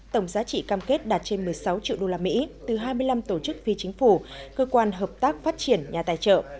tổng giá trị cam kết đạt trên một mươi sáu triệu usd từ hai mươi năm tổ chức phi chính phủ cơ quan hợp tác phát triển nhà tài trợ